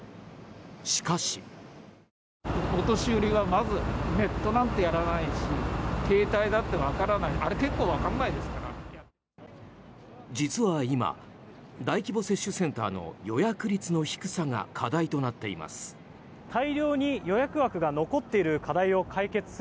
しかし。実は今大規模接種センターの予約率の低さが課題となっています。